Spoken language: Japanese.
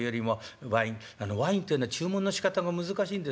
ワインというのは注文のしかたが難しいんですね。